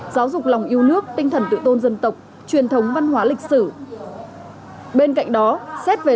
giáo dục lòng yêu nước tinh thần tự tôn dân tộc truyền thống văn hóa lịch sử bên cạnh đó xét về